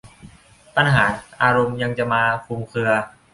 ปัญหาอารมณ์ยังจะมาอย่างคลุมเครือ